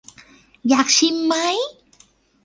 อยากชิมไหม